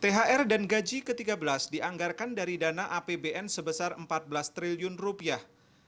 thr dan gaji ke tiga belas dianggarkan dari dana apbn sebesar empat belas triliun rupiah